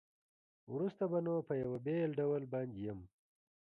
وروسته به نو په یوه بېل ډول باندې یم.